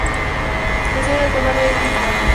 La sede del condado es Big Rapids.